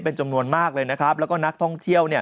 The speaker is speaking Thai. เป็นจำนวนมากเลยนะครับแล้วก็นักท่องเที่ยวเนี่ย